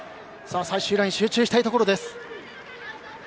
最終ライン、集中したいところ。